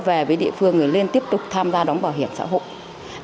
về với địa phương lên tiếp tục tham gia đóng bảo hiểm xã hội